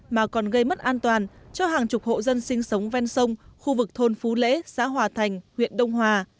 mà còn gây mất an toàn cho hàng chục hộ dân sinh sống ven sông khu vực thôn phú lễ xã hòa thành huyện đông hòa